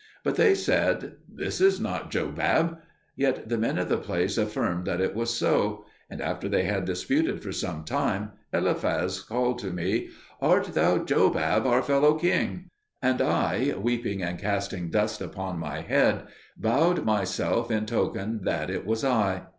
But they said, "This is not Jobab." Yet the men of the place affirmed that it was so; and after they had disputed for some time, Eliphaz called to me, "Art thou Jobab, our fellow king?" And I, weeping and casting dust upon my head, bowed myself in token that it was I.